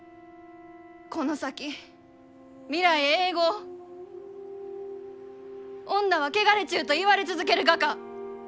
この先未来永劫「女は汚れちゅう」と言われ続けるがか？